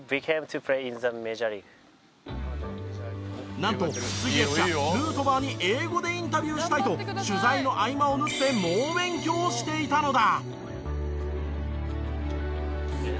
なんと杉谷記者ヌートバーに英語でインタビューしたいと取材の合間を縫って猛勉強していたのだ。